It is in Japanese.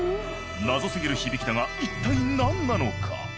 謎過ぎる響きだが一体何なのか？